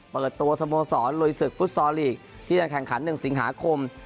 เปิดตัวสโมสรลุยศึกฟุตซอลลีกที่จะแข่งขัน๑สิงหาคม